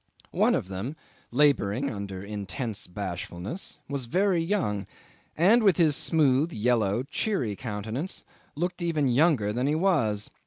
One of them, labouring under intense bashfulness, was very young, and with his smooth, yellow, cheery countenance looked even younger than he was.